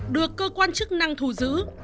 được cơ quan chức năng thù giữ